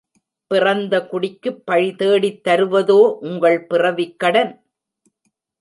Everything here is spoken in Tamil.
பிறந்த குடிக்குப் பழி தேடித் தருவதோ உங்கள் பிறவிக் கடன்?